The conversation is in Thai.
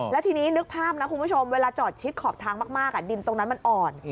แล้วทีนี้นึกภาพนะคุณผู้ชมเวลาจอดชิดขอบทางมากดินตรงนั้นมันอ่อน